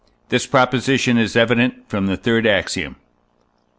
This proposition is evident from the third axiom.